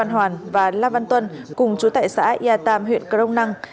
hoàng và lâm văn tuân cùng chú tại xã yà tam huyện crong năng